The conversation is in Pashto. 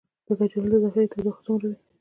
د کچالو د ذخیرې تودوخه څومره وي؟